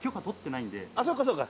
あっそうかそうか。